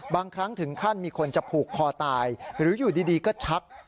บางครั้งถึงขั้นมีคนจะผูกคอตายหรืออยู่ดีก็ชัก